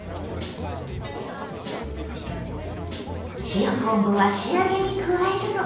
塩昆布は仕上げに加えるのがポイント。